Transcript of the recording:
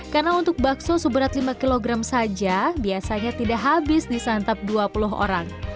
karena untuk bakso seberat lima kg saja biasanya tidak habis di santap dua puluh orang